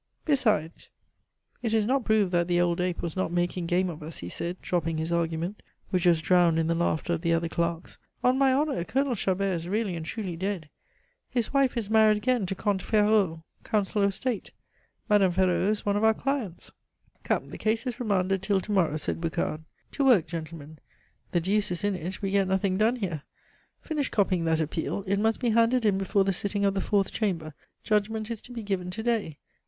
"Besides, it is not proved that that old ape was not making game of us," he said, dropping his argument, which was drowned in the laughter of the other clerks. "On my honor, Colonel Chabert is really and truly dead. His wife is married again to Comte Ferraud, Councillor of State. Madame Ferraud is one of our clients." "Come, the case is remanded till to morrow," said Boucard. "To work, gentlemen. The deuce is in it; we get nothing done here. Finish copying that appeal; it must be handed in before the sitting of the Fourth Chamber, judgment is to be given to day.